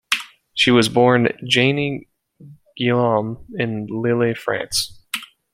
She was born Jany Guillaume in Lille, France.